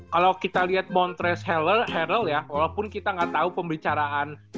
kalo kita liat montres harrell ya walaupun kita gak tau pembicaraan